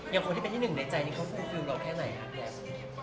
อย่างคนที่เป็นที่หนึ่งในใจที่เขาผูร์ฟิล์มเราแค่ไหนครับ